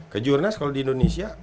kejurnas kalau di indonesia